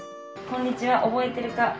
こんにちは、覚えてるか。